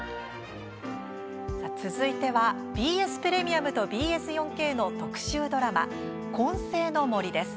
続いてはＢＳプレミアムとＢＳ４Ｋの特集ドラマ「混声の森」です。